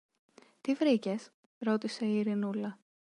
Τι βρήκες; ρώτησε η Ειρηνούλα.